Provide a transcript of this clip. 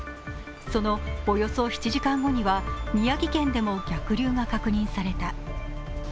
そのおよそ７時間後には宮城県でも逆流が確認された。